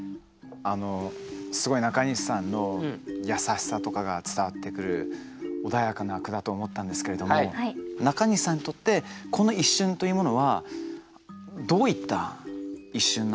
すごい中西さんの優しさとかが伝わってくる穏やかな句だと思ったんですけれども中西さんにとって聞いてみていいですか？